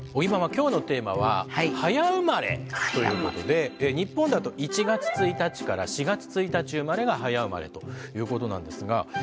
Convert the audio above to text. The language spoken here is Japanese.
今日のテーマは「早生まれ」ということで日本だと１月１日４月１日生まれが早生まれということなんですが。